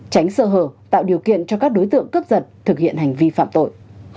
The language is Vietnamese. tránh sơ hở tạo điều kiện cho các đối tượng cướp giật thực hiện hành vi phạm tội